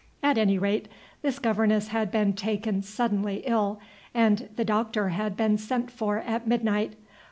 At any rate, this governess had been taken suddenly ill, and the Doctor had been sent for at midnight.